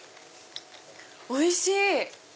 おいしい！